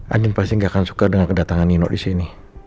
andin pasti gak akan suka dengan kedatangan nino disini